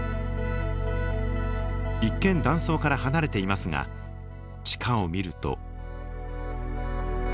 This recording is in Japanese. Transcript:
一見断層から離れていますが地下を見ると。